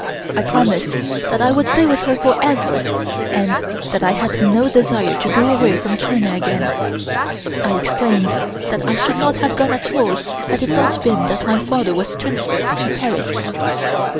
I promised that I would stay with her forever, and that I had no desire to go away from China again. I explained that I should not have gone away at all had it not been that my father was transferred to Paris.